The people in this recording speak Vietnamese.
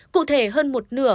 cụ thể hơn một nửa